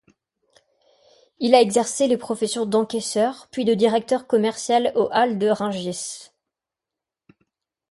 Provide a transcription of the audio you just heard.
Il a exercé les professions d'encaisseur, puis de directeur commercial aux halles de Rungis.